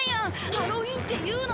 ハロウィンっていうのは。